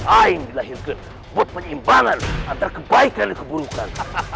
aing dilahirkan buat penyimpangan antara kebaikan dan keburukan